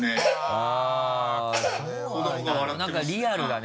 あぁ何かリアルだね